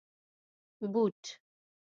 👞 بوټ